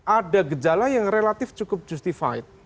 ada gejala yang relatif cukup justified